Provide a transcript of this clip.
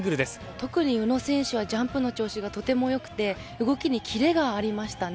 特に宇野選手はジャンプの調子がとても良くて動きにキレがありましたね。